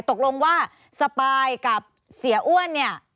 ตกลงว่าสปายกับเสียอ้วนเนี่ย